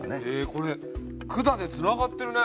これ管でつながってるね。